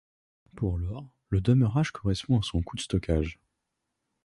Pour l'Or, le demeurage correspond à son coût de stockage.